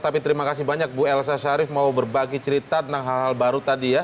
tapi terima kasih banyak bu elsa sharif mau berbagi cerita tentang hal hal baru tadi ya